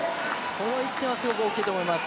この１点はすごく大きいと思います。